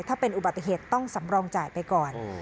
ถ้าเป็นอุบัติเหตุต้องสำรองจ่ายไปก่อน